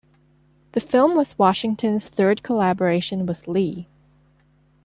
The film was Washington's third collaboration with Lee.